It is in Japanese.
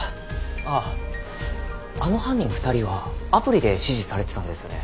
あっあの犯人２人はアプリで指示されてたんですよね？